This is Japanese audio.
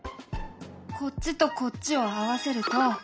こっちとこっちを合わせると。